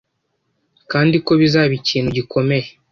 kandi ko bizaba ikintu gikomeye